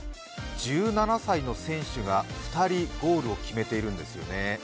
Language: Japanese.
１７歳の選手が２人、ゴールを決めているんですよね。